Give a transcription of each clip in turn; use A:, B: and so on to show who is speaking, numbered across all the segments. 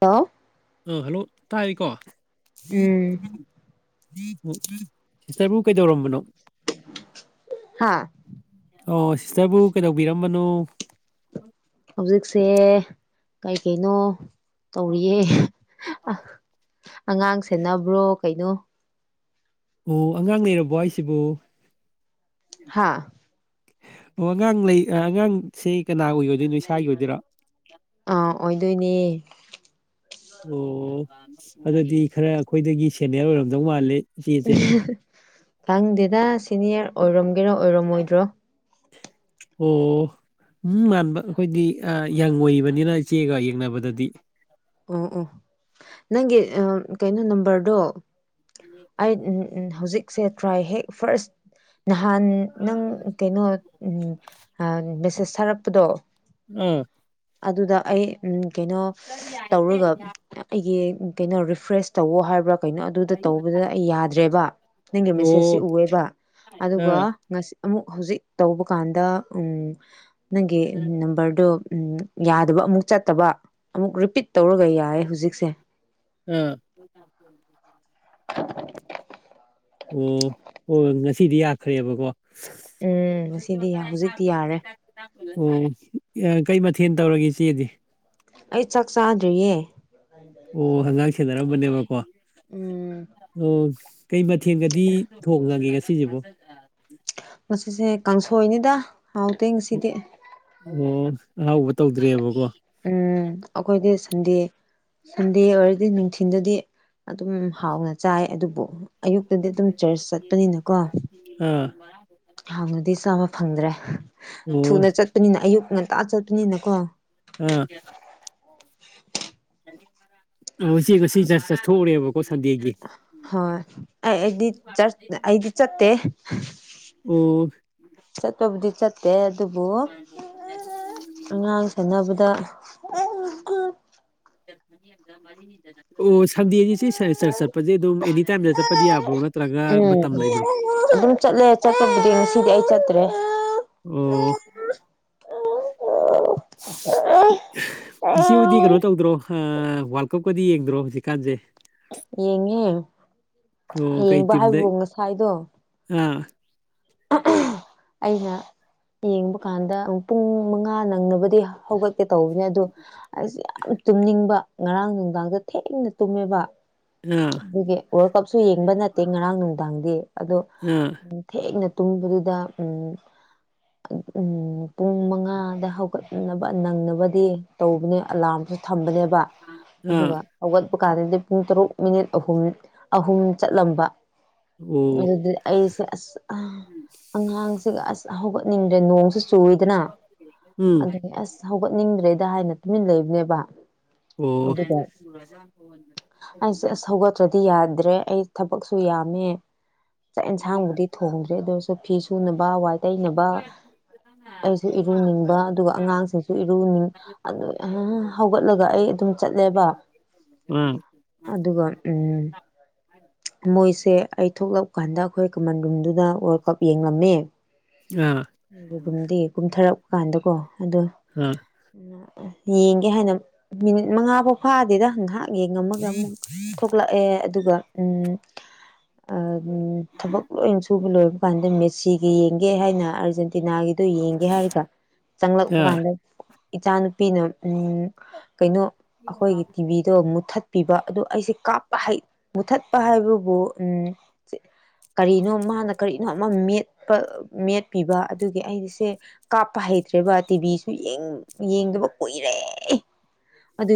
A: hello
B: ꯑꯥ hello ꯇꯥꯏꯌꯦꯀꯣ
A: ꯎꯝ
B: ꯎꯝ ꯁꯤꯁꯇ꯭ꯔꯕꯨ ꯀꯩꯗꯧꯔꯝꯕꯅꯣ
A: ꯍꯥ
B: ꯑꯣ ꯁꯤꯁꯇ꯭ꯔꯕꯨ ꯀꯩꯗꯧꯕꯤꯔꯝꯕꯅꯣ
A: ꯍꯧꯖꯤꯛꯁꯦ ꯀꯩ ꯀꯩꯅꯣ ꯇꯧꯔꯤꯌꯦ ꯍ ꯍ ꯑ ꯑꯉꯥꯡ ꯁꯦꯟꯅꯕ꯭ꯔꯣ ꯀꯩꯅꯣ
B: ꯑꯣ ꯑꯉꯥꯡ ꯂꯩꯔꯕꯣ ꯍꯥꯏꯁꯤꯕꯨ
A: ꯍꯥꯥ
B: ꯑꯣ ꯑꯉꯥꯡ ꯂꯩ ꯑ ꯑꯉꯥꯡ ꯁꯦ ꯀꯅꯥꯒꯤ ꯑꯣꯏꯗꯣꯏꯅꯣ ꯏꯁꯥꯒꯤ ꯑꯣꯏꯗꯣꯏꯔꯣ
A: ꯑꯥ ꯑꯣꯏꯗꯣꯏꯅꯦ
B: ꯑꯣ ꯑꯗꯨꯗꯤ ꯈꯔ ꯑꯩꯈꯣꯏꯗꯒꯤ ꯁꯦꯅꯤꯌꯔ ꯑꯣꯏꯔꯝꯗꯧ ꯃꯥꯜꯂꯤ
A: ꯑ ꯍ ꯍ ꯈꯪꯗꯦꯗ ꯁꯤꯅꯤꯌꯔ ꯑꯣꯏꯔꯝꯒꯦꯔꯣ ꯑꯣꯏꯔꯝꯃꯣꯏꯗ꯭ꯔꯣ
B: ꯑꯣ ꯃꯨꯡ ꯃꯥꯟꯕ ꯑꯩꯈꯣꯏꯗꯤ ꯌꯪ ꯑꯣꯏꯕꯅꯤꯅ ꯏꯆꯦꯒ ꯌꯦꯡꯅꯕꯗꯗꯤ
A: ꯑꯣ ꯑꯣ ꯅꯪꯒꯤ ꯑꯥ ꯀꯩꯅꯣ ꯅꯝꯕꯔꯗꯣ ꯑꯩ ꯎ ꯎꯝ ꯍꯧꯖꯤꯛꯁꯦ ꯇ꯭ꯔꯥꯏ ꯍꯦꯛ ꯐ꯭ꯔꯁ ꯅꯍꯥꯟ ꯅꯪ ꯀꯩꯅꯣ ꯎꯝ ꯑ ꯃꯦꯁꯦꯁ ꯊꯥꯔꯛꯄꯗꯣ
B: ꯑꯥ
A: ꯑꯗꯨꯗ ꯑꯩ ꯎꯝ ꯀꯩꯅꯣ ꯇꯧꯔꯒ ꯑ ꯑꯩꯒꯤ ꯒꯤ ꯀꯩꯅꯣ ꯔꯤꯐ꯭ꯔꯦꯁ ꯇꯧꯋꯣ ꯍꯥꯏꯕ꯭ꯔꯥ ꯀꯩꯅꯣ ꯑꯗꯨꯗ ꯇꯧꯕꯗ ꯑꯩ ꯌꯥꯗ꯭ꯔꯦꯕ ꯅꯪꯒꯤ ꯃꯦꯁꯦꯁꯁꯤ
B: ꯑꯣ
A: ꯎꯋꯦꯕ ꯑꯗꯨꯒ
B: ꯑꯥ
A: ꯉꯁ ꯑꯃꯨꯛ ꯍꯧꯖꯤꯛ ꯇꯧꯕ ꯀꯥꯟꯗ ꯎꯝ ꯅꯪꯒꯤ ꯅꯝꯕꯔꯗꯨ ꯎꯝ ꯌꯥꯗꯕ ꯑꯃꯨꯛ ꯆꯠꯇꯕ ꯑꯃꯨꯛ ꯔꯤꯄꯤꯠ ꯇꯧꯔꯒ ꯌꯥꯏꯌꯦ ꯍꯧꯖꯤꯛꯁꯦ
B: ꯑꯥ
A: [inaudible]
B: ꯑꯣ ꯑꯣ ꯉꯁꯤꯗꯤ ꯌꯥꯈ꯭ꯔꯦꯕꯀꯣ
A: ꯎꯝ ꯉꯁꯤꯗꯤ ꯍꯧꯖꯤꯛꯇꯤ ꯌꯥꯔꯦ
B: ꯑꯣ ꯑ ꯀꯩ ꯃꯊꯦꯜ ꯇꯧꯔꯒꯦ ꯏꯆꯦꯗꯤ
A: ꯑꯩ ꯆꯥꯛ ꯆꯥꯗ꯭ꯔꯤꯌꯦ
B: ꯑꯣ ꯑꯉꯥꯡ ꯁꯦꯟꯅꯔꯝꯕꯅꯦꯕꯀꯣ
A: ꯎꯝ
B: ꯑꯣ ꯀꯩ ꯃ ꯊꯦꯜꯒꯗꯤ ꯊꯣꯡꯉꯒꯦ ꯉꯁꯤꯁꯤꯕꯨ
A: ꯉꯁꯤꯁꯦ ꯀꯥꯡꯁꯣꯏꯅꯤꯗ ꯍꯥꯎꯇꯦ ꯉꯁꯤꯗꯤ
B: ꯑꯣ ꯑꯍꯥꯎꯕ ꯇꯧꯗ꯭ꯔꯦꯕꯀꯣ
A: ꯎꯝ ꯑꯩꯈꯣꯏꯗꯤ ꯁꯟꯗꯦ ꯁꯟꯗꯦ ꯑꯣꯏꯔꯗꯤ ꯅꯨꯡꯊꯤꯟꯗꯗꯤ ꯑꯗꯨꯝ ꯍꯥꯎꯅ ꯆꯥꯏ ꯑꯗꯨꯕꯨ ꯑꯌꯨꯛꯇꯗꯤ ꯑꯗꯨꯝ ꯆꯔꯆ ꯆꯠꯄꯅꯤꯅꯀꯣ
B: ꯑꯥ
A: ꯍꯥꯡꯉꯗꯤ ꯆꯥꯕ ꯐꯪꯗ꯭ꯔꯦ
B: ꯑꯣ
A: ꯊꯨꯅ ꯆꯠꯄꯅꯤꯅ ꯑꯌꯨꯛ ꯉꯟꯇꯥ ꯆꯠꯄꯅꯤꯅꯀꯣ
B: ꯑꯥ
A: [inaudible]
B: ꯑꯣ ꯁꯤꯒ ꯁꯤ ꯆꯔꯆ ꯆꯠꯊꯣꯛꯎꯔꯦꯕ
A: ꯍꯣꯏ ꯑꯩ ꯑꯩꯗꯤ ꯆꯔꯆ ꯑꯩꯗꯤ ꯆꯠꯇꯦ ꯍ
B: ꯑꯣ
A: ꯆꯠꯄꯕꯨꯗꯤ ꯆꯠꯇꯦ ꯑꯗꯨꯕꯨ ꯑꯉꯥꯡ ꯁꯥꯟꯅꯕꯗ [unintelligible]
B: ꯑꯣ ꯁꯟꯗꯦꯅꯤ ꯁꯤ ꯆ꯭ꯔꯆ ꯆꯠꯄꯁꯦ ꯑꯗꯨꯝ ꯑꯦꯅꯤ ꯇꯥꯏꯝꯗ ꯆꯠꯄꯗꯤ ꯌꯥꯕ꯭ꯔꯣ ꯅꯠꯇ꯭ꯔ
A: ꯎꯝ ꯑꯗꯨꯝ ꯆꯠꯂꯦ ꯆꯠꯄꯕꯨꯗꯤ ꯉꯁꯤꯗꯤ ꯑꯩ ꯆꯠꯇ꯭ꯔꯦ
B: ꯑꯣ ꯏꯆꯦꯍꯣꯏꯗꯤ ꯀꯩꯅꯣ ꯇꯧꯗ꯭ꯔꯣ ꯑꯥ ꯋꯥ꯭ꯔꯜ ꯀꯞ ꯀꯗꯤ ꯌꯦꯡꯗ꯭ꯔꯣ ꯍꯧꯖꯤꯛ ꯀꯥꯟꯖꯦ
A: ꯌꯦꯡꯉꯦ
B: ꯑꯣ ꯀꯩ
A: ꯌꯦꯡꯕ
B: ꯇꯤꯝꯗ
A: ꯍꯥꯏꯕꯕꯨ ꯉꯁꯥꯏꯗꯣ
B: ꯑꯥ [inaudible]
A: ꯑꯩꯅ ꯌꯦꯡꯕ ꯀꯥꯟꯗ ꯄꯨꯡ ꯃꯉꯥ ꯅꯪꯅꯕꯗꯤ ꯍꯧꯒꯠ ꯀꯦ ꯇꯧꯕꯅꯦ ꯑꯗꯣ ꯑꯩꯁꯦ ꯌꯥꯝ ꯇꯨꯝꯅꯤꯡꯕ ꯉꯔꯥꯡ ꯅꯨꯡꯗꯥꯡꯗꯣ ꯊꯦꯡꯅ ꯇꯨꯝꯃꯦꯕ
B: ꯑꯥ ꯑꯥ
A: ꯑꯗꯨꯒꯤ ꯋꯥꯔꯜ ꯀꯞꯁꯨ ꯌꯦꯡꯕ ꯅꯠꯇꯦ ꯉꯔꯥꯡ ꯅꯨꯡꯗꯥꯡꯗꯤ ꯑꯗꯣ ꯊꯦꯡꯅ ꯇꯨꯝꯕꯗꯨꯗ ꯎꯝ ꯎꯝ ꯄꯨꯡ ꯃꯉꯥꯗ ꯍꯧꯒꯠꯅꯕ ꯅꯪꯅꯕꯗꯤ ꯇꯧꯕꯅꯦ ꯑꯂꯥ꯭ꯔꯝ ꯊꯝꯕꯅꯦ ꯕ
B: ꯑꯥ
A: ꯑꯗꯨꯒ ꯍꯧꯒꯠꯄ ꯀꯥꯟꯗꯗꯤ ꯄꯨꯡ ꯇꯔꯨꯛ ꯃꯤꯅꯤꯠ ꯑꯍꯨꯝ ꯑꯍꯨꯝ ꯆꯠꯂꯝꯕ
B: ꯑꯣ
A: ꯑꯗꯨꯗꯤ ꯑꯩꯁꯦ ꯑꯁ ꯑꯉꯥꯡꯁꯤꯒ ꯑꯁ ꯍꯧꯒꯠꯅꯤꯡ ꯗ꯭ꯔꯦ ꯅꯣꯡ ꯆꯨꯏꯗꯅ
B: ꯎꯝ
A: ꯑꯗꯨ ꯑꯁ ꯍꯧꯒꯠꯅꯤꯡꯗ꯭ꯔꯦ ꯗ ꯍꯥꯏꯅ ꯇꯨꯃꯤꯟꯅ ꯂꯩꯕꯅꯦꯕ
B: ꯑꯣ
A: ꯑꯗꯨꯒ ꯑꯩꯁꯦ ꯑꯁ ꯍꯧꯒꯠꯇ꯭ꯔꯗꯤ ꯌꯥꯗ꯭ꯔꯦ ꯑꯩ ꯊꯕꯛꯁꯨ ꯌꯥꯝꯃꯦ ꯆꯥꯛ ꯑꯦꯟꯁꯥꯡꯕꯨꯗꯤ ꯊꯣꯡꯗ꯭ꯔꯦ ꯑꯗꯨ ꯑꯣꯏꯔꯁꯨ ꯐꯤ ꯁꯨꯅꯕ ꯋꯥꯏ ꯇꯩꯅꯕ ꯑꯩꯁꯨ ꯏꯔꯨꯅꯤꯡꯕ ꯑꯗꯨꯒ ꯑꯉꯥꯡꯁꯤꯡꯁꯨ ꯏꯔꯨꯅꯤꯡ ꯑꯗꯨ ꯑꯥ ꯑꯥ ꯍꯧꯒꯠꯂꯒ ꯑꯩ ꯑꯗꯨꯝ ꯆꯠꯂꯦꯕ ꯑꯗꯨꯒ ꯎꯝ ꯃꯣꯏꯁꯦ ꯑꯩ ꯊꯣꯛꯂꯛ ꯀꯥꯟꯗ ꯑꯩꯈꯣꯏ ꯀꯃꯟ ꯔꯨꯝꯗꯨꯗ ꯋꯥꯔꯜ ꯀꯞ ꯌꯦꯡꯂꯝꯃꯦ
B: ꯑꯥ ꯑꯥ
A: ꯑꯗꯨꯒꯨꯝꯗꯤ ꯀꯨꯝꯊꯔꯛꯄ ꯀꯥꯟꯗꯀꯣ ꯑꯗꯣ ꯌꯦꯡꯒꯦ ꯍꯥꯏꯅ ꯃꯤꯅꯤꯠ ꯃꯉꯥ ꯐꯥꯎ ꯐꯥꯗꯦꯗ ꯉꯥꯏꯍꯥꯛ ꯌꯦꯡꯉꯝ ꯃꯨꯛ ꯊꯣꯛꯂꯛꯑꯦ ꯑꯗꯨꯒ ꯎꯝ ꯑꯥ ꯎꯝ ꯊꯕꯛ ꯂꯣꯏ ꯁꯨꯕ ꯂꯣꯏꯕ ꯀꯥꯟꯗ ꯃꯦꯁꯤꯒꯤ ꯌꯦꯡꯒꯦ ꯍꯥꯏꯅ ꯑꯥꯔꯖꯦꯟꯇꯤꯅꯥꯒꯤ ꯑꯗꯨ ꯌꯦꯡꯒꯦ ꯍꯥꯏꯔꯒ ꯆꯪꯂꯛꯄ
B: ꯑꯥ
A: ꯀꯥꯟꯗ ꯏꯆꯥ ꯅꯨꯨꯄꯤꯅ ꯎꯝ ꯀꯩꯅꯣ ꯑꯩꯈꯣꯏꯒꯤ ꯇꯤꯚꯤꯗꯣ ꯃꯨꯊꯠ ꯄꯤꯕ ꯑꯗꯣ ꯑꯩꯁꯦ ꯀꯥꯞꯄ ꯍꯩ ꯃꯨꯊꯠꯄ ꯍꯥꯏꯕꯕꯨ ꯎꯝ ꯀꯔꯤꯅꯣ ꯃꯥꯅ ꯀꯔꯤꯅꯣ ꯑꯃ ꯃꯦꯠꯄ ꯃꯦꯠꯄꯤꯕ ꯑꯗꯨꯒꯤ ꯑꯩꯁꯦ ꯀꯥꯞꯄ ꯍꯩ ꯭ꯇꯔꯦꯕꯥ ꯇꯤꯚꯤꯁꯨ ꯌꯦꯡꯗꯕ ꯀꯨꯏꯔꯦ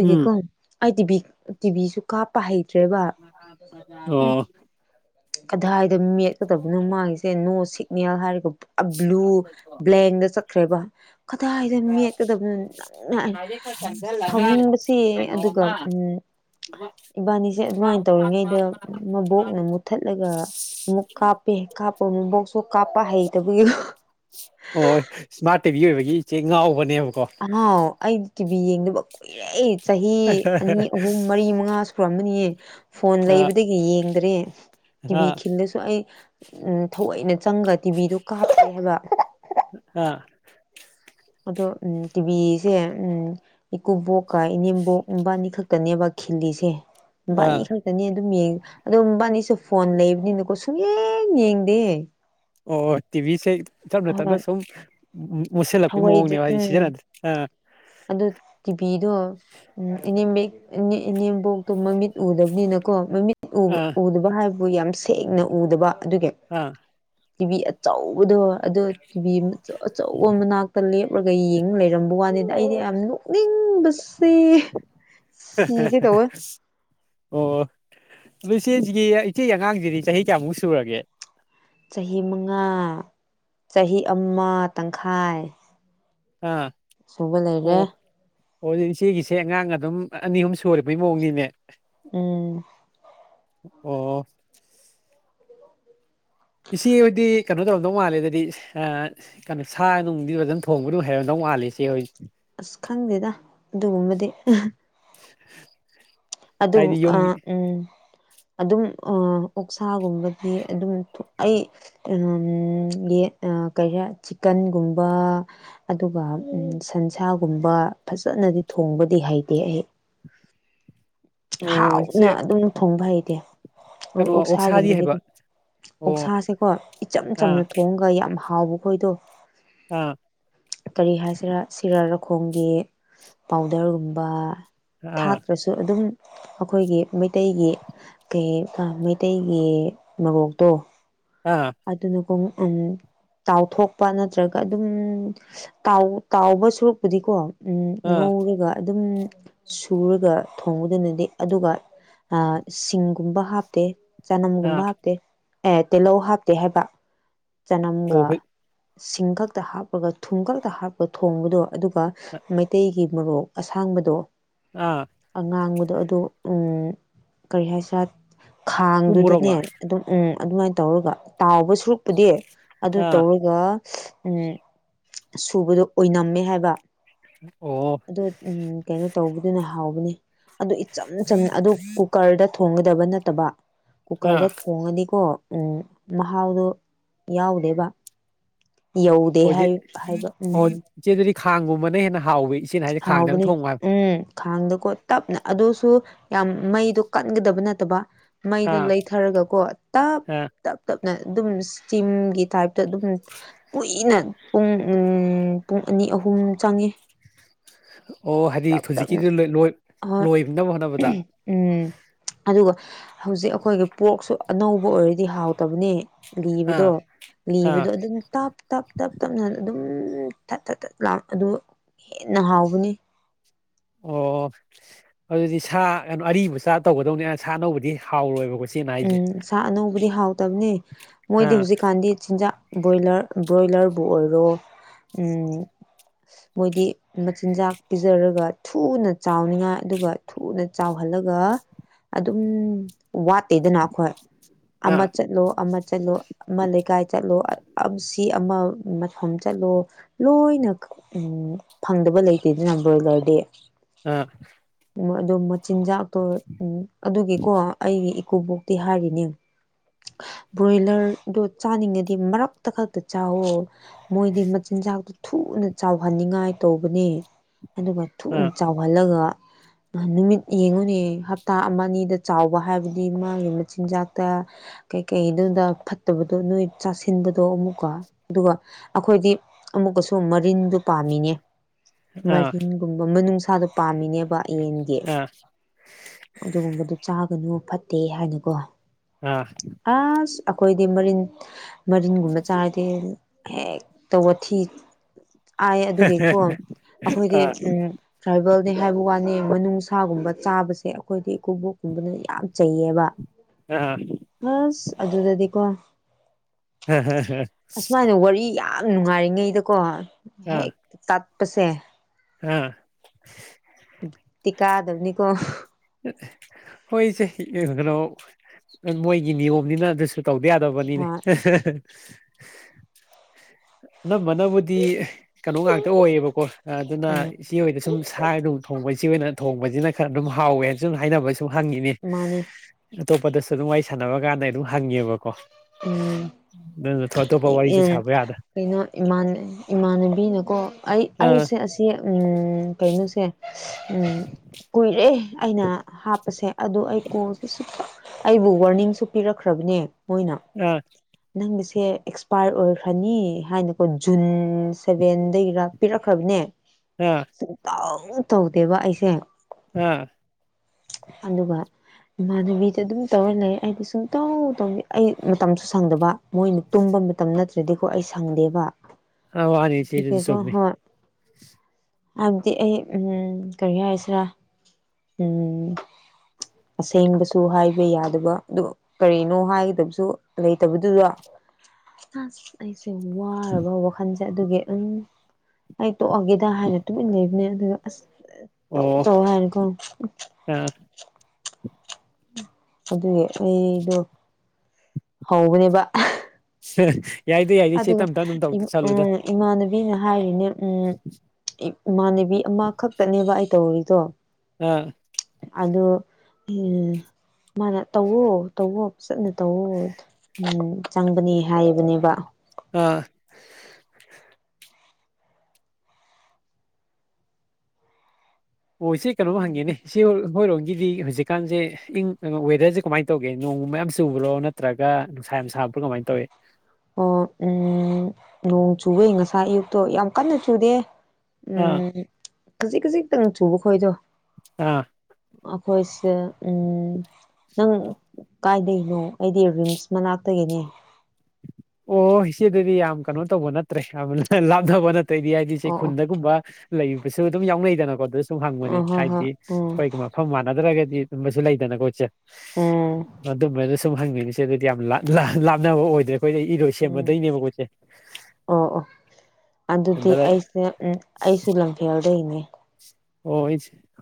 B: ꯎꯝ
A: ꯑꯩ ꯇꯤꯚꯤ ꯇꯤꯚꯤꯁꯨ ꯀꯥꯞꯄ ꯍꯩ
B: ꯑꯣ
A: ꯀꯗꯥꯏꯗ ꯃꯦꯠꯀꯗꯕꯅꯣ ꯃꯥꯒꯤꯁꯦ ꯅꯣ ꯁꯤꯒꯅꯦꯜ ꯍꯥꯏꯔꯒ ꯑꯕ꯭ꯂꯨ ꯕ꯭ꯂꯦꯡꯗ ꯆꯠꯈ꯭ꯔꯦꯕ ꯀꯗꯥꯏꯗ ꯃꯦꯠꯀꯗꯕꯅꯣ ꯅꯪꯅ ꯁꯥꯎꯅꯤꯡꯕꯁꯦ ꯑꯗꯨꯒ ꯎꯝ ꯏꯕꯥꯅꯤꯁꯦ ꯑꯗꯨꯃꯥꯏꯅ ꯇꯧꯔꯤꯉꯩꯗ ꯃꯕꯣꯛꯅ ꯃꯨꯠꯊꯠꯂꯒ ꯑꯃꯨꯛ ꯀꯥꯞꯄꯦ ꯀꯥꯞꯄ ꯃꯕꯣꯛꯁꯨ ꯀꯥꯞꯄ ꯍꯩꯇꯕꯒꯤ ꯀꯣ
B: ꯇꯤꯕꯤ ꯑꯣꯏꯕꯒꯤ ꯏꯆꯦ ꯉꯥꯎꯕꯅꯦꯕ
A: ꯑꯉꯧ ꯑꯩꯗꯤ ꯇꯤꯚꯤ ꯌꯦꯡꯗꯕ ꯀꯨꯏꯔꯦ ꯆꯍꯤ ꯑꯅꯤ ꯑꯍꯨꯝ ꯃꯔꯤ ꯃꯉꯥ ꯁꯨꯔꯝꯃꯅꯤꯌꯦ ꯐꯣꯟ
B: ꯑꯥ
A: ꯂꯩꯕꯗꯒꯤ ꯌꯦꯡꯗ꯭ꯔꯦ ꯇꯤꯚꯤ
B: ꯑꯥ
A: ꯈꯤꯜꯂꯁꯨ ꯑꯩ ꯎꯝ ꯊꯑꯣꯏꯅ ꯆꯪꯉꯒ ꯇꯤꯚꯤꯗꯣ ꯀꯥꯞꯇꯦ ꯍꯥꯏꯕ
B: ꯑꯥ
A: ꯑꯗꯣ ꯎꯝ ꯇꯤꯚꯤꯁꯦ ꯎꯝ ꯏꯀꯨꯕꯣꯛꯀ ꯏꯅꯦꯝꯕꯣꯛ ꯃꯕꯥꯏꯅꯤ ꯈꯛꯇꯅꯦꯕ ꯈꯤꯜꯂꯤꯁꯦ
B: ꯑꯥ
A: ꯃꯕꯥꯏꯅꯤ ꯈꯛꯇꯅꯤ ꯑꯗꯨꯝ ꯌꯦꯡ ꯑꯗꯨꯝ ꯃꯕꯥꯏꯅꯤꯁꯨ ꯐꯣꯟ ꯂꯩꯕꯅꯤꯅꯀꯣ ꯁꯨꯡꯌꯦꯡ ꯌꯦꯡꯗꯦ
B: ꯑꯣꯍꯣꯏ ꯇꯤꯚꯤꯁꯦ ꯇꯞꯅ ꯇꯞꯅ
A: ꯍꯣꯏ
B: ꯁꯨꯝ ꯃꯨꯠꯁꯤꯜꯂꯛꯄꯒꯤ
A: ꯊꯧꯑꯣꯏꯗ꯭ꯔꯦ
B: ꯃꯑꯣꯡꯅꯦꯕ ꯍꯥꯏꯗꯤ
A: ꯎꯝ
B: ꯁꯤꯖꯤꯟꯅꯗ ꯑ
A: ꯑꯗꯨ ꯏ ꯅꯦꯝꯕꯣꯛꯇꯣ ꯃꯃꯤꯠ ꯎꯗꯕꯅꯤꯅꯀꯣ ꯃꯃꯤꯠ
B: ꯑꯥ
A: ꯎꯗꯕ ꯍꯥꯏꯕꯕꯨ ꯌꯥꯝ ꯁꯦꯡꯅ ꯎꯗꯕ ꯑꯗꯨꯒꯤ
B: ꯑꯥ
A: ꯇꯤꯚꯤ ꯑꯆꯧꯕꯗꯣ ꯑꯗꯣ ꯇꯤꯚꯤꯆꯧ ꯑꯆꯧꯕ ꯃꯅꯥꯛꯇ ꯂꯞ ꯀꯨꯞꯂꯒ ꯌꯦꯡ ꯂꯩꯔꯝꯕ ꯋꯥꯅꯤꯗ ꯑꯩꯗꯤ ꯌꯥꯝ ꯅꯣꯛꯅꯤꯡꯕꯁꯤ ꯁꯤ ꯁꯤꯒꯦ ꯇꯧꯑꯦ
B: ꯑꯣ ꯏꯆꯦꯁꯤꯒꯤ ꯏꯆꯦ ꯑꯉꯥꯡꯁꯤꯗꯤ ꯆꯍꯤ ꯀꯌꯥꯃꯨꯛ ꯁꯨꯔꯒꯦ
A: ꯆꯍꯤ ꯃꯉꯥ ꯆꯍꯤ ꯑꯃ ꯇꯪꯈꯥꯏ ꯁꯨꯕ ꯂꯩꯔꯦ
B: ꯑꯣꯑꯗꯨꯗꯤ ꯏꯆꯦꯒꯤꯁꯦ ꯑꯉꯥꯡ ꯑꯗꯨꯝ ꯑꯅꯤ ꯑꯍꯨꯝ ꯁꯨꯔꯕꯩ ꯃꯑꯣꯡꯅꯤꯅꯦ
A: ꯎꯝ
B: ꯑꯣ ꯏꯆꯦ ꯍꯣꯏꯗꯤ ꯀꯩꯅꯣ ꯇꯧꯔꯝꯗꯧ ꯃꯥꯜꯂꯦ ꯑꯗꯨꯗꯤ ꯑ ꯀꯩꯅꯣ ꯁꯥ ꯅꯨꯡꯗꯤ ꯐꯖꯅ ꯊꯣꯡꯕꯗꯨ ꯍꯥꯏꯔꯗꯧ ꯋꯥꯠꯂꯤ ꯏꯆꯦꯍꯣꯏꯒꯤ
A: ꯑꯁ ꯈꯪꯗꯦꯗ ꯑꯗꯨꯒꯨꯝꯕꯗꯤ ꯑꯗꯨ
B: ꯍꯥꯏꯗꯤ
A: ꯑ
B: ꯌꯨꯝꯒꯤ
A: ꯎꯝ ꯑꯗꯨꯝ ꯑꯥꯑꯣꯛꯁꯥꯒꯨꯝꯕꯗꯤ ꯑꯗꯨꯝ ꯑꯩ ꯎ ꯆꯤꯛꯀꯟꯒꯨꯝꯕ ꯑꯗꯨꯒ ꯁꯟꯁꯥꯒꯨꯝꯕ ꯐꯖ ꯐꯖꯅꯗꯤ ꯊꯣꯡꯕꯗꯤ ꯍꯥꯏꯗꯦ ꯑꯩ
B: ꯑꯣ ꯏꯆꯦ
A: ꯍꯥꯎꯅ ꯑꯗꯨꯝ ꯊꯣꯡꯕ ꯍꯩꯇꯦ
B: ꯀꯩꯅꯣ ꯑꯣꯛꯁꯥꯗꯤ
A: ꯑꯣꯛꯁꯥꯒꯨꯝꯕꯗꯤ
B: ꯍꯩꯕ ꯑꯣ
A: ꯑꯣꯛꯁꯥꯁꯦꯀꯣ ꯏꯆꯝ
B: ꯑꯥ
A: ꯆꯝꯅ ꯊꯣꯡꯉꯒ ꯌꯥꯝ ꯍꯥꯎꯕꯈꯣꯏꯗꯣ
B: ꯑꯥ
A: ꯀꯔꯤ ꯍꯥꯏꯁꯤꯔ ꯁꯤꯔ ꯈꯣꯡꯒꯤ ꯄꯥꯎꯗꯔꯒꯨꯝꯕ
B: ꯑꯥ
A: ꯊꯥꯛꯗꯁꯨ ꯑꯗꯨꯝ ꯑꯩꯈꯣꯏꯒꯤ ꯃꯩꯇꯩꯒꯤ ꯀꯩ ꯃꯩꯇꯩꯒꯤ ꯃꯣꯔꯣꯛꯇꯣ
B: ꯑꯥ
A: ꯑꯗꯨꯅꯒꯣ ꯎꯝ ꯇꯥꯎꯊꯣꯛꯄ ꯅꯠꯇ꯭ꯔꯒ ꯑꯗꯨꯝ ꯇꯥꯎ ꯇꯥꯎꯕ ꯁꯨꯔꯛꯄꯨꯗꯤꯀꯣ ꯎꯝ
B: ꯑꯥ
A: ꯉꯧꯔꯒ ꯑꯗꯨꯝ ꯁꯨꯔꯒ ꯊꯣꯡꯕꯗꯨꯅꯗꯤ ꯑꯗꯨꯒ ꯁꯤꯡꯒꯨꯝꯕ ꯍꯥꯞꯇꯦ ꯆꯅꯝꯒꯨꯝꯕ
B: ꯑꯥ
A: ꯍꯥꯞꯇꯦ ꯑꯦ ꯇꯤꯜꯍꯧ ꯍꯥꯞꯇꯦ ꯍꯥꯏꯕ
B: ꯑꯣ
A: ꯆꯅꯝꯒ
B: ꯑꯩꯈꯣꯏ
A: ꯁꯤꯡ ꯈꯛꯇ ꯍꯥꯞꯄꯒ ꯊꯨꯝ ꯈꯛꯇ ꯍꯥꯞꯄꯒ ꯊꯣꯡꯕꯗꯣ ꯑꯗꯨꯒ ꯃꯩꯇꯩꯒꯤ ꯃꯣꯔꯣꯛ ꯑꯁꯥꯡꯕꯗꯣ
B: ꯑꯥ
A: ꯑꯉꯥꯡꯕꯗꯣ ꯑꯗꯣ ꯎꯝ ꯀꯔꯤ ꯍꯥꯏꯁꯤꯔꯥ
B: ꯎ
A: ꯈꯥꯡꯗꯨꯗꯅꯦ
B: ꯃꯣꯔꯣꯛꯂꯣ
A: ꯑꯗꯨꯝ ꯎꯝ ꯑꯗꯨꯃꯥꯏꯅ ꯇꯧꯔꯒ ꯇꯥꯎꯕ ꯁꯨꯔꯨꯛꯄꯨꯗꯤ ꯑꯗꯨꯃꯥꯅ
B: ꯑꯥ
A: ꯇꯧꯔꯒ ꯎꯝ ꯁꯨꯕꯗꯣ ꯑꯣꯏꯅꯝꯃꯦ ꯍꯥꯏꯕ
B: ꯑꯣ
A: ꯑꯗꯨ ꯎꯝ ꯀꯩꯅꯣ ꯇꯧꯕꯗꯨꯅ ꯍꯥꯎꯕꯅꯤ ꯑꯗꯨ ꯏꯆꯝ ꯆꯝꯅ ꯑꯗꯨ ꯀꯨꯀꯔꯗ ꯊꯣꯡꯒꯗꯕ ꯅꯠꯇꯕ ꯀꯨꯀꯔꯗ
B: ꯑꯥ
A: ꯊꯣꯡꯉꯅꯤꯀꯣ ꯎꯝ ꯃꯍꯥꯎꯗꯣ ꯌꯥꯎꯗꯦꯕ ꯌꯧꯗꯦ
B: ꯑꯣꯖꯤ
A: ꯍꯥꯏ ꯍꯥꯏꯕ
B: ꯑꯣ
A: ꯎꯝ
B: ꯏꯆꯦ ꯑꯗꯨꯗꯤ ꯈꯥꯡꯒꯨꯝꯕꯅ ꯍꯦꯟꯅ ꯍꯥꯎꯋꯤ ꯏꯆꯦꯅ ꯍꯥꯏꯁꯦ ꯈꯥꯡꯗꯅ
A: ꯍꯥꯎꯕꯅꯤ
B: ꯊꯣꯡꯉꯣ ꯍꯥꯏꯕ
A: ꯎꯝ ꯈꯥꯡꯗꯣꯀꯣ ꯇꯞꯅ ꯑꯗꯨꯁꯨ ꯌꯥꯝ ꯃꯩꯗꯣ ꯀꯟꯒꯗꯕ ꯅꯠꯇꯕ ꯃꯩꯗꯣ
B: ꯑꯥ
A: ꯂꯩꯊꯔꯒꯀꯣ ꯇꯞ
B: ꯑꯥ
A: ꯇꯞ ꯇꯞ ꯑꯗꯨꯝ ꯁꯇꯤꯝꯒꯤ ꯇꯥꯏꯞꯇ ꯑꯗꯨꯝ ꯀꯨꯏꯅ ꯄꯨꯡ ꯄꯨꯡ ꯑꯅꯤ ꯑꯍꯨꯝ ꯆꯪꯉꯦ
B: ꯑꯣ ꯍꯥꯏꯗꯤ
A: ꯇꯞ ꯇꯞꯅ
B: ꯍꯧꯖꯤꯛꯀꯤꯗꯨ
A: ꯍꯣꯏ
B: ꯂꯣꯏꯅꯕ ꯍꯣꯠꯅꯕꯗ
A: ꯎꯝ ꯑꯗꯨꯒ ꯍꯧꯖꯤꯛ ꯑꯩꯈꯣꯏꯒꯤ ꯄꯣꯛꯁꯨ ꯑꯅꯧꯕ ꯑꯣꯏꯔꯗꯤ ꯍꯥꯎꯇꯕꯅꯦ
B: ꯑꯥ
A: ꯂꯤꯕꯗꯣ ꯂꯤꯕꯗꯣ
B: ꯑꯥ
A: ꯑꯗꯨꯝ ꯇꯞꯞ ꯇꯞꯅ ꯑꯗꯨꯝ ꯎꯝ ꯊꯠ ꯊꯠ ꯊꯠ ꯂꯥꯎꯅ ꯑꯗꯨ ꯍꯦꯟꯅ ꯍꯥꯎꯕꯅꯤ
B: ꯑꯣ ꯑꯗꯨꯗꯤ ꯁꯥ ꯀꯩꯅꯣ ꯑꯔꯤꯕ ꯁꯥ ꯇꯧꯒꯗꯧꯅꯦ ꯑ ꯁꯥ ꯑꯅꯧꯕꯗꯤ ꯍꯥꯎꯔꯣꯏꯕ ꯀꯣ
A: ꯎꯝ ꯁꯥ ꯑꯅꯧꯕꯗꯤ ꯍꯥꯎꯇꯕꯅꯤ ꯃꯣꯏꯗꯤ
B: ꯑꯥ
A: ꯍꯧꯖꯤꯛꯀꯥꯟꯗꯤ ꯆꯤꯟꯖꯥꯛ ꯕ꯭ꯔꯣꯌꯂꯔ ꯕ꯭ꯔꯣꯌꯂꯔꯕꯨꯨ ꯑꯣꯏꯔꯣ ꯃꯣꯏꯗꯤ ꯃꯆꯤꯟꯖꯥꯛ ꯄꯤꯖꯔꯒ ꯊꯨꯅ ꯆꯥꯎꯅꯤꯡꯉꯥꯏ ꯑꯗꯨꯒ ꯊꯨꯅ ꯆꯥꯎꯍꯟ ꯈꯜꯂꯒ ꯑꯗꯨꯝ ꯋꯥꯠ ꯇꯩꯗꯅ ꯑꯩꯈꯣꯏ ꯑꯃ
B: ꯑꯥ
A: ꯆꯠꯂꯣ ꯑꯃ ꯆꯠꯂꯣ ꯑꯃ ꯂꯩꯀꯥꯏ ꯆꯠꯂꯣ ꯁꯤ ꯑꯃ ꯃꯐꯝ ꯆꯠꯂꯣ ꯂꯣꯏꯅ ꯎ ꯐꯪꯗꯕ ꯂꯩꯇꯦꯗꯅ ꯂꯣꯢꯂꯔꯗꯤ
B: ꯑꯥ
A: ꯑꯣ ꯃꯆꯤꯟꯖꯥꯛꯇꯣ ꯎꯝ ꯑꯗꯨꯒꯤꯀꯣ ꯑꯩꯒꯤ ꯏꯀꯣꯕꯣꯛꯇꯤ ꯍꯥꯏꯔꯤꯅꯦ ꯕ꯭ꯔꯣꯏꯂꯔꯗꯣ ꯆꯥꯅꯤꯡꯉꯗꯤ ꯃꯔꯛꯇ ꯈꯛꯇ ꯆꯥꯋꯣ ꯃꯣꯏꯗꯤꯆꯤꯟ ꯆꯤꯟꯖꯥꯛꯇꯨ ꯊꯨꯅ ꯆꯥꯎꯍꯟꯅꯤꯡꯉꯥꯏ ꯇꯧꯕꯅꯦ ꯑꯗꯨꯒ ꯊꯨꯅ ꯆꯥꯎꯍꯜꯂꯒ
B: [unintelligible]
A: ꯅꯨꯃꯤꯠ ꯌꯦꯡꯉꯨꯅꯦ ꯍꯞꯇꯥ ꯑꯃ ꯑꯅꯤꯗ ꯆꯥꯎꯕ ꯍꯥꯏꯕꯗꯤ ꯃꯥꯒꯤ ꯃꯆꯤꯟꯖꯥꯛꯇ ꯀꯩꯀꯩꯗꯨꯗ ꯐꯠꯇꯕꯗꯣ ꯅꯣꯏ ꯆꯥꯁꯤꯟꯕꯗꯣ ꯑꯃꯨꯛꯀ ꯑꯗꯨꯒ ꯑꯩꯈꯣꯏꯗꯤ ꯑꯃꯨꯛ ꯁꯨ ꯃꯔꯤꯟꯗ ꯄꯥꯝꯃꯤꯅꯦ
B: ꯑꯥ
A: ꯃꯔꯤꯟꯒꯨꯝꯕ ꯃꯅꯨꯡꯅꯨꯡꯁꯥꯗ ꯄꯥꯝꯃꯤꯅꯦ ꯌꯦꯟꯒꯤ
B: ꯑꯥ ꯑꯥ
A: ꯑꯗꯨꯒꯨꯝꯕꯗꯨ ꯆꯥꯒꯅꯨ ꯐꯠꯇꯦ ꯍꯥꯏꯅꯀꯣ
B: ꯑꯥ
A: ꯑꯁ ꯑꯩꯈꯣꯏꯗꯤ ꯃꯔꯤꯟ ꯃꯔꯤꯟꯒꯨꯝꯕ ꯆꯥꯔꯗꯤ ꯍꯦꯛ ꯇꯧꯕ ꯊꯤ
B: [unintelligible]
A: ꯐꯥꯢ ꯑꯗꯨꯒꯤꯀꯣ ꯑꯩꯈꯣꯏꯗꯤ
B: ꯑꯥ
A: ꯎꯝ ꯇ꯭ꯔꯥꯏꯕꯦꯜꯅꯦ ꯍꯥꯏꯕ ꯋꯥꯅꯤ ꯃꯅꯨꯡꯁꯥꯒꯨꯝꯕ ꯆꯥꯕꯁꯦ ꯑꯩꯈꯣꯏꯗꯤ ꯏꯀꯨꯕꯣꯛꯀꯨꯝꯕꯅ ꯌꯥꯝ ꯆꯩꯌꯦꯕ
B: ꯑꯥ
A: ꯑꯁ ꯑꯗꯨꯗꯗꯤꯀꯣ ꯑꯁꯨꯃꯥꯏꯅ ꯋꯥꯔꯤ ꯌꯥꯝ ꯅꯨꯡꯉꯥꯏꯔꯤꯉꯩꯗꯀꯣ
B: ꯑꯥ
A: ꯍꯦꯛ ꯇꯠꯄꯁꯦ
B: ꯑꯥ
A: ꯇꯤꯀꯥꯗꯕꯅꯤꯀꯣ
B: ꯍꯣꯏꯁꯦ ꯀꯩꯅꯣ ꯃꯣꯏꯒꯤ ꯅꯤꯌꯣꯝꯅꯤꯅ ꯑꯗꯨꯁꯨ ꯇꯧꯗ ꯌꯥꯗꯕꯅꯤꯅꯦ
A: ꯍꯣꯏ
B: [unintelligible] ꯑꯅꯝꯕꯅꯕꯨꯗꯤ ꯀꯩꯅꯣ ꯉꯥꯛꯇ ꯑꯣꯏꯌꯦꯕꯀꯣ ꯑꯗꯨꯅ
A: ꯎꯝ
B: ꯏꯆꯦ ꯍꯣꯏꯗ ꯁꯨꯝ ꯁ ꯅꯨꯡ ꯊꯣꯡꯕꯁꯦ ꯢꯆꯦ ꯍꯣꯢꯅ ꯊꯣꯡꯕꯖꯤꯅ ꯈꯔ ꯑꯗꯨꯝ ꯍꯥꯎ ꯁꯨꯝ ꯍꯥꯏꯅꯕꯩ ꯁꯨꯝ ꯍꯪꯉꯤꯅꯦ
A: ꯃꯥꯅꯦ
B: ꯑꯇꯣꯞꯄꯗꯁꯨ ꯑꯗꯨꯝ ꯋꯥꯔꯤ ꯁꯥꯟꯅꯕ ꯀꯥꯟꯗ ꯑꯗꯨꯝ ꯍꯪꯉꯦꯕ ꯀꯣ ꯅꯠꯀꯣ
A: ꯎ ꯀꯩꯅꯣ ꯏꯃꯥꯟ ꯢꯃꯥꯟꯅꯕꯤꯅꯀꯣ ꯑꯩ
B: ꯑꯥ
A: ꯑꯩꯁꯦ ꯑꯁꯤ ꯎꯝ ꯀꯩꯅꯣꯁꯦ ꯎꯝ ꯀꯨꯏꯔꯦ ꯑꯩꯅ ꯍꯥꯞꯄꯁꯦ ꯑꯗꯨ ꯑꯩ ꯀꯣꯜꯗꯤ ꯁꯨꯇꯧ ꯑꯩꯕꯨ ꯋꯥꯔꯅꯤꯡꯁꯨ ꯄꯤꯔꯛꯈ꯭ꯔꯕꯅꯦ ꯃꯣꯏꯅ
B: ꯑꯥ
A: ꯅꯪꯒꯤꯁꯦ ꯁꯦ ꯑꯦꯛꯁꯄꯥꯔ ꯑꯣꯏꯈ꯭ꯔꯅꯤ ꯍꯥꯏꯅꯀꯣ ꯖꯨꯟ ꯁꯚꯦꯟꯗꯒꯤꯔ ꯄꯤꯔꯛꯈ꯭ꯔꯕꯅꯦ
B: ꯑꯥ
A: ꯁꯨꯛꯇꯧ ꯇꯧꯗꯦꯕ ꯑꯩꯁꯦ
B: ꯑꯥ
A: ꯑꯗꯨꯒ ꯏꯃꯥꯟꯅꯕꯤꯗ ꯑꯗꯨꯝ ꯇꯧꯔ ꯂꯩꯌꯦ ꯑꯩꯗꯤ ꯁꯨꯡꯇꯧ ꯇꯧ ꯑꯩ ꯃꯇꯝꯁꯨ ꯁꯪꯗꯕ ꯃꯣꯏꯅ ꯇꯨꯝꯕ ꯃꯇꯝ ꯅꯠꯇ꯭ꯔꯗꯤꯀꯣ ꯑꯩ ꯁꯪꯗꯦꯕ
B: ꯑ ꯋꯥꯅꯤ
A: ꯑꯗꯨꯒꯤ
B: ꯏꯆꯦꯗꯨꯁꯨ
A: ꯀꯣ
B: ꯆꯨꯝꯃꯤ
A: ꯍꯣꯢ ꯍꯥꯏꯕꯗꯤ ꯑꯩ ꯎꯝ ꯀꯔꯤ ꯍꯥꯏꯁꯦꯔꯥ ꯎꯝ ꯑꯁꯦꯡꯕꯁꯨ ꯍꯥꯏꯕ ꯌꯥꯗꯕ ꯑꯗꯨ ꯀꯔꯤꯅꯣ ꯍꯥꯏ ꯖꯨ ꯂꯩꯇꯕꯗꯨꯗꯣ ꯑꯁ ꯑꯩꯁꯦ ꯋꯥꯔꯕ ꯋꯥꯈꯜꯁꯦ ꯑꯗꯨꯒꯤ ꯎꯝ ꯑꯩ ꯇꯣꯛꯑꯒꯦꯗ ꯍꯥꯏꯅ ꯇꯨꯃꯤꯟ ꯂꯩꯕꯅꯦ ꯑꯗꯨꯒ ꯑꯁ ꯇꯧ
B: ꯑꯣ
A: ꯇꯧ ꯍꯥꯏꯔ ꯑꯗꯨꯝ
B: ꯑꯥ
A: ꯑꯗꯨꯒꯤ ꯑꯩꯗꯣ ꯍꯧꯕꯅꯦꯕ
B: ꯌꯥꯏꯗ ꯌꯥꯏꯗ ꯏꯆꯦ
A: ꯑꯗꯨꯒ
B: ꯇꯝ ꯇꯝ ꯑꯗꯨꯝ ꯇꯧ
A: ꯎꯝ
B: ꯁꯜꯂꯨꯗ
A: ꯏꯃꯥꯟꯅꯕꯤꯅ ꯍꯥꯏꯔꯤꯅꯦ ꯎꯝ ꯏꯃꯥꯟꯅꯕꯤ ꯑꯃꯈꯛꯇꯅꯦꯕ ꯑꯩ ꯇꯧꯔꯤꯗꯣ
B: ꯑꯥ
A: ꯑꯗꯣ ꯃꯥꯅ ꯇꯧꯋꯣ ꯇꯧꯋꯣ ꯐꯖꯅ ꯇꯧ ꯎꯝ ꯆꯪꯕꯅꯤ ꯍꯥꯏꯕꯅꯦꯕ
B: ꯑꯥ ꯑꯣ ꯢꯆꯦ ꯀꯩꯅꯣꯝ ꯍꯪꯒꯦꯅꯦ ꯢꯆꯦ ꯍꯣ ꯍꯣꯏꯔꯣꯝ ꯒꯤꯗꯤ ꯍꯧꯖꯤꯛꯀꯥꯟꯁꯦ ꯏꯪ ꯑ ꯋꯦꯗꯔꯁꯦ ꯀꯃꯥꯏꯟ ꯇꯧꯒꯦ ꯅꯣꯡꯒꯨꯝꯕ ꯌꯥꯝ ꯆꯨꯕ꯭ꯔꯣ ꯅꯠꯇ꯭ꯔꯒ ꯅꯨꯡꯁꯥ ꯌꯥꯝ ꯁꯥꯕ ꯀꯃꯥꯏꯟ ꯇꯧꯋꯤ
A: ꯑꯣ ꯎꯝ ꯅꯣꯡ ꯆꯨꯋꯤ ꯉꯁꯥꯏ ꯑꯌꯨꯛꯇꯣ ꯌꯥꯝ ꯀꯟꯅ ꯆꯨꯗꯦ
B: ꯑꯥ
A: ꯎꯝ ꯈꯖꯤꯛ ꯈꯖꯤꯛꯇꯪ ꯆꯨꯕ ꯈꯣꯏꯗꯣ
B: ꯑꯥ
A: ꯑꯩꯈꯣꯏꯁꯤꯅ ꯎꯝ ꯅꯪ ꯀꯥꯏꯗꯩꯅꯣ ꯑꯩꯗꯤ ꯔꯤꯝꯁ ꯃꯅꯥꯛꯇꯒꯤꯅꯦ
B: ꯑꯣ ꯏꯆꯦꯗꯨꯗꯤ ꯌꯥꯝ ꯀꯩꯅꯣ ꯇꯧꯕ ꯅꯠꯇ꯭ꯔꯦ ꯌꯥꯝ ꯑꯍ ꯂꯥꯞꯅꯕ ꯅꯠꯇ꯭ꯔꯦꯗꯤ ꯍꯥꯏꯗꯤ ꯏꯆꯦ
A: ꯑꯣ
B: ꯈꯨꯟꯗꯒꯨꯝꯕ ꯂꯩꯕꯁꯨ ꯑꯗꯨꯝ ꯌꯥꯎꯅꯩꯗꯅꯀꯣ ꯑꯗꯨ ꯁꯨꯝ ꯍꯪꯕꯅꯤ
A: ꯑꯣ ꯑ ꯍꯣꯏ ꯍꯣꯏ
B: ꯍꯥꯏꯗꯤ
A: ꯎꯝ
B: ꯑꯩꯈꯣꯏꯒ ꯃꯐꯝ ꯃꯥꯟꯅꯗ꯭ꯔꯒꯗꯤ ꯑꯗꯨꯝꯕꯁꯨ ꯂꯩꯗꯅꯀꯣ ꯢꯆꯦ
A: ꯎꯝ
B: ꯑꯗꯨꯝꯕ ꯁꯨꯝ ꯍꯪꯉꯤꯅꯦ ꯢꯆꯦ ꯑꯗꯨꯗꯤ ꯌꯥꯝ ꯂ ꯂꯍ ꯂꯥꯞꯅꯕ ꯑꯣꯏꯗ꯭ꯔꯦ ꯑꯩꯈꯣꯏꯗꯩ
A: ꯎꯝ
B: ꯏꯔꯣꯢꯁꯦꯝꯕꯗꯩꯅꯦꯕ ꯃꯣꯢꯁꯦ
A: ꯑꯣ ꯑꯣ ꯑꯗꯨꯗꯤ ꯑꯩꯁꯦ ꯎꯝ ꯑꯩꯁꯨ ꯂꯝꯐꯦꯜꯗꯩꯅꯦ
B: ꯑꯣ ꯑꯩꯁ [unintelligible]